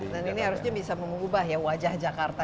dan ini harusnya bisa mengubah ya wajah jakarta itu